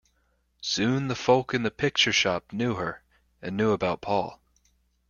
Soon the folk in the picture-shop knew her, and knew about Paul.